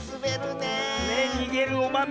ねえにげるおまめ。